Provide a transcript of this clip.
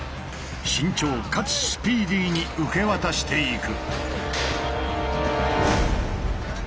慎重かつスピーディーに受け渡していく。